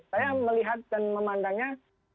saya melihat dan memandangnya